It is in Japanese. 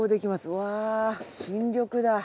うわあ新緑だ。